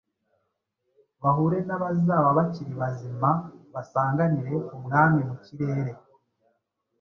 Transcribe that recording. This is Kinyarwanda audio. bahure n’abazaba bakiri bazima basanganire Umwami mu kirere.